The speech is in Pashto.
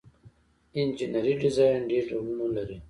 انجنیری ډیزاین ډیر ډولونه لري.